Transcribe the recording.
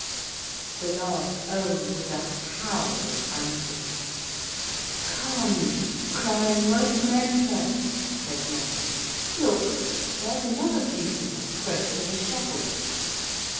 The last 'oh' was a howl of anguish. 'Come, crying won't mend her,' said mother. 'Look, there's another piece of her, close to the shovel.'